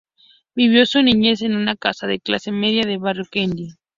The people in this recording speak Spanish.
Vivió su niñez en una casa de clase media del barrio Kennedy.